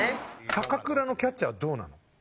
坂倉のキャッチャーはどうなの？